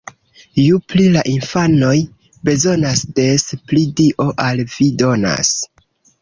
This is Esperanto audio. Ju pli la infanoj bezonas, des pli Dio al vi donas.